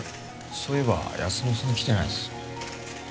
そういえば泰乃さん来てないですね。